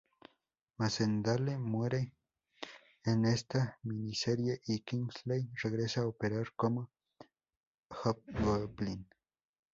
Macendale muere en esta miniserie, y Kingsley regresa a operar como Hobgoblin.